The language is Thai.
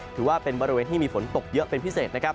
ถือว่าเป็นบริเวณที่มีฝนตกเยอะเป็นพิเศษนะครับ